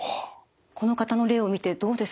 この方の例を見てどうですか？